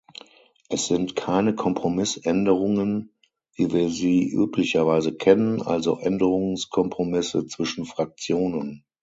Es sind keine Kompromissänderungen, wie wir sie üblicherweise kennen, also Änderungskompromisse zwischen Fraktionen.